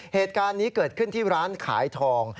เหตุการณ์นี้เกิดขึ้นที่ร้านขายทอง